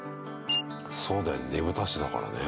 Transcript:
そうだよ、ねぶた師だからね。